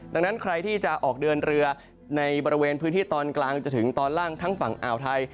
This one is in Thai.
ดังนั้นใครที่จะออกเดินเรือในบริเวณพื้นที่ตอนกลางจนถึงตอนล่างทั้งฝั่งอ่าวไทย